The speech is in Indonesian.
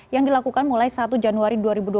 yang dilakukan mulai satu januari dua ribu dua puluh